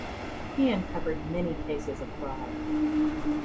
He uncovered many cases of fraud.